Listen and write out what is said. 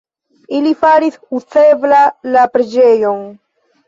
Ili faris uzebla la preĝejon.